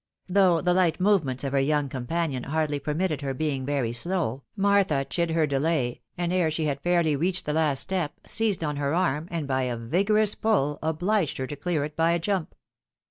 Though the light movements of her young companion hardly permitted her being very slow, Martha chid her delay, and ere she had fairly reached the last step, seized on her arm, and by a vigorous pull, obhged her to clear it by a jump.